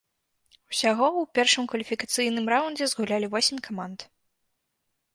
Усяго ў першым кваліфікацыйным раўндзе згулялі восем каманд.